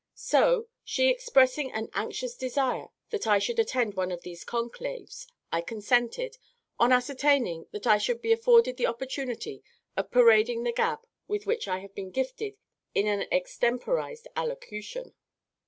So, she expressing an anxious desire that I should attend one of these conclaves, I consented, on ascertaining that I should be afforded the opportunity of parading the gab with which I have been gifted in an extemporised allocution.